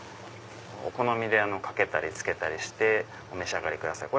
お好みでかけたりつけたりしてお召し上がりください。